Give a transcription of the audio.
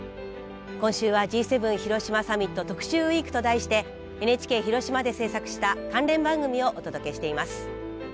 今週はＧ７広島サミット特集ウイークと題してＮＨＫ広島で制作した関連番組をお届けしています。